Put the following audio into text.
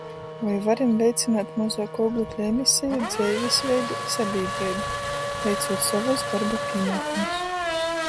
Voi varim veicynuot mozuoku ūglekļa emiseju dzeivis veidu i sabīdreibu, veicūt sovus dorba pīnuokumus?